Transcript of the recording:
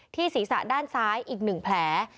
ศีรษะด้านซ้ายอีก๑แผล